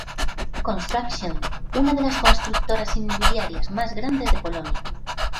Construction, una de las constructoras inmobiliarias más grandes de Polonia.